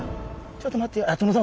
ちょっと待てよ。